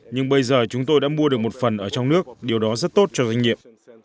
nhưng bây giờ chúng tôi đã mua được một phần ở trong nước điều đó rất tốt cho doanh nghiệp